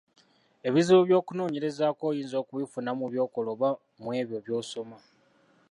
Ebizibu by’okunoonyerezaako oyinza okubifuna mu by'okola oba mu ebyo by'osoma.